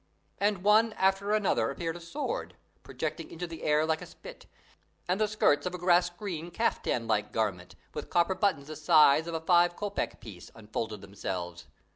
And one after another appeared a sword, projecting into the air like a spit, and the skirts of a grass green caftan like garment, with copper buttons the size of a five kopek piece, unfolded themselves.